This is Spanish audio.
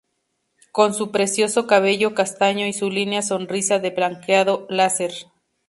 Con su precioso cabello castaño y su línea sonrisa de blanqueado láser.